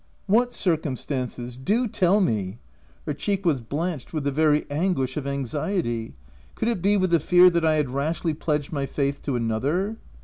* What circumstances? Do tell me !" Her cheek was blanched with the very anguish of anxiety — could it be with the fear that I had rashly pledged my faith to another